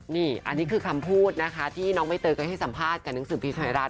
นี่อันนี้คือคำพูดนะคะที่น้องใบเตยเคยให้สัมภาษณ์กับหนังสือพิมพ์ไทยรัฐ